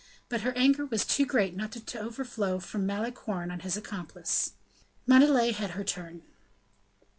But her anger was too great not to overflow from Malicorne on his accomplice. Montalais had her turn.